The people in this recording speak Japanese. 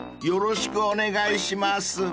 よろしくお願いします。